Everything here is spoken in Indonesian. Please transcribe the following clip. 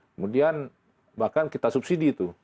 kemudian bahkan kita subsidi itu